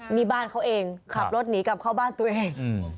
นี่บ้านเขาเองขับรถหนีกลับเข้าบ้านตัวเอง